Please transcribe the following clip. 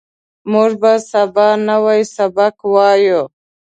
موږ به سبا نوی سبق وایو